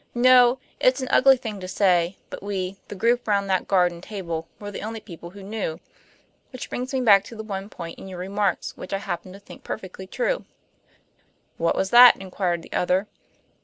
No, it's an ugly thing to say, but we, the group round that garden table, were the only people who knew. Which brings me back to the one point in your remarks which I happen to think perfectly true." "What was that?" inquired the other.